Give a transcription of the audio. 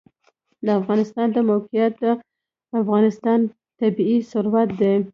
د افغانستان د موقعیت د افغانستان طبعي ثروت دی.